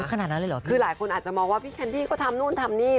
คือหลายคนอาจจะมองว่าพี่แคนดี้ก็ทำนู่นทำนี่